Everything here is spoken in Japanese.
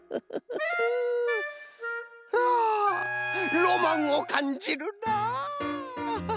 あロマンをかんじるなアハハ。